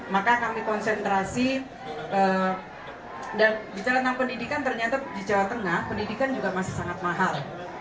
maka kami konsentrasi dan bicara tentang pendidikan ternyata di jawa tengah pendidikan juga masih sangat mahal